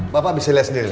bapak bisa lihat sendiri